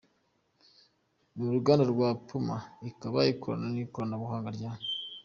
n’uruganda rwa Puma, ikaba ikoranye ikoranabuhanga rya